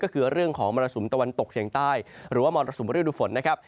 ก็คือเรื่องของมรสุมตะวันตกเฉียงใต้หรือว่ามรสุมฤดูฝนนะครับ